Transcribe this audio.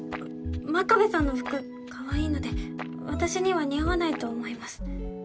真壁さんの服かわいいので私には似合わないと思います。